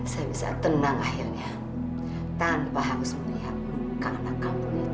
saya bisa tenang akhirnya tanpa harus melihat kandang kampung itu